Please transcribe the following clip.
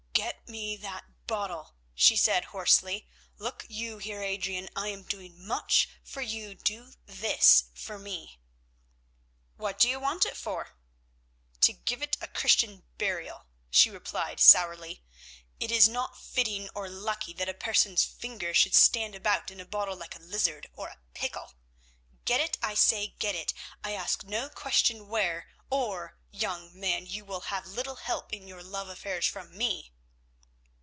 "Get me that bottle," she said hoarsely. "Look you, Heer Adrian, I am doing much for you, do this for me." "What do you want it for?" "To give it Christian burial," she replied sourly. "It is not fitting or lucky that a person's finger should stand about in a bottle like a caul or a lizard. Get it, I say get it—I ask no question where—or, young man, you will have little help in your love affairs from me."